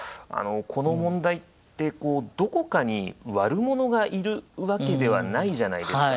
この問題ってどこかに悪者がいるわけではないじゃないですか。